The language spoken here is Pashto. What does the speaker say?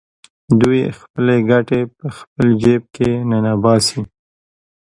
دوی خپلې ګټې په خپل جېب کې ننباسي